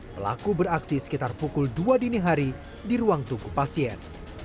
pelaku beraksi sekitar pukul dua dini hari di ruang tunggu pasien